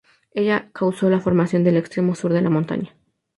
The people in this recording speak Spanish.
Ello causó la formación del extremo sur de la montaña.